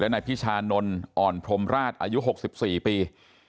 นายพิชานนท์อ่อนพรมราชอายุ๖๔ปี